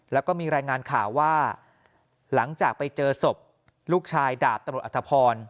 แล้วก็มีรายงานข่าวว่าหลังจากไปเจอศพลูกชายดาบตำรวจอัตภพร